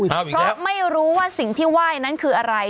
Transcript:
เพราะไม่รู้ว่าสิ่งที่ไหว้นั้นคืออะไร